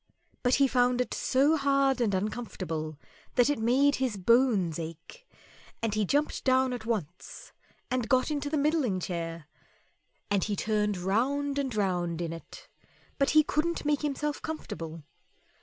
But he found it so hard and uncomfortable that it made his bones ache, and he jumped down at once and got into the middling chair, and he turned round and round in it, but he couldn't make himself comfortable.